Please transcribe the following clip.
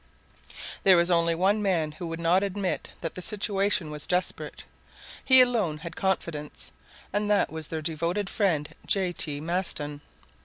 _ There was only one man who would not admit that the situation was desperate—he alone had confidence; and that was their devoted friend J. T. Maston.